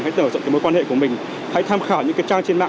hãy mở rộng cái mối quan hệ của mình hãy tham khảo những cái trang trên mạng